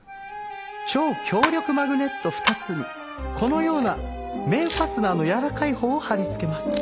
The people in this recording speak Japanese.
超強力マグネット２つにこのような面ファスナーのやわらかいほうを貼り付けます。